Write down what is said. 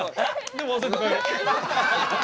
でも忘れて帰ろう。